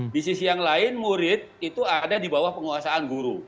di sisi yang lain murid itu ada di bawah penguasaan guru